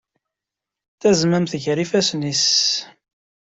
Tazmamt gar yifassen-is.